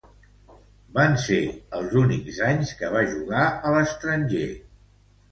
Van ser els únics anys que va jugar a l'estranger.